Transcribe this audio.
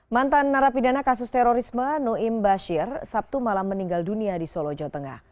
mantan narapidana kasus terorisme noim bashir sabtu malam meninggal dunia di solo jawa tengah